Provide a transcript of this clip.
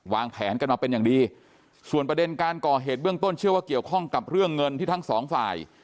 แผนกันมาเป็นอย่างดีส่วนประเด็นการก่อเหตุเบื้องต้นเชื่อว่าเกี่ยวข้องกับเรื่องเงินที่ทั้งสองฝ่าย